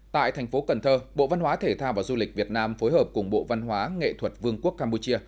tại thành phố cần thơ bộ văn hóa thể thao và du lịch việt nam phối hợp cùng bộ văn hóa nghệ thuật vương quốc campuchia